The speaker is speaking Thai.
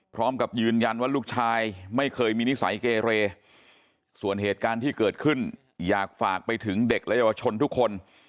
พร้อมกับยืนยันว่าลูกชายไม่เคยมีนิสัยเกเรส่วนเหตุการณ์ที่เกิดขึ้นอยากฝากไปถึงเด็กและเยาวชนทุกคน